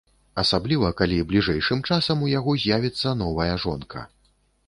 Асабліва, калі бліжэйшым часам у яго з'явіцца новая жонка.